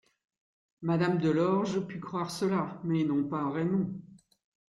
Madame Delorge put croire cela, mais non pas Raymond.